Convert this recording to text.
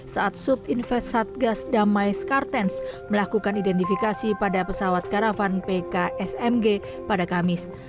saat subinvest satgas damais kartens melakukan identifikasi pada pesawat karavan pksmg pada kamis